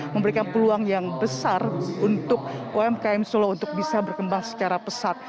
memberikan peluang yang besar untuk umkm solo untuk bisa berkembang secara pesat